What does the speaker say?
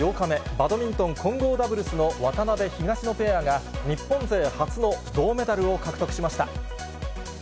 バドミントン混合ダブルスの渡辺・東野ペアが、日本勢初の銅メダルを獲得しました。